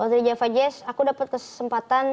waktu dari java jazz aku dapat kesempatan